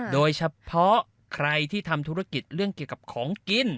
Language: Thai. โดยเฉพาะใครที่ทำธุรกิจเรื่องเกี่ยวกับของกิน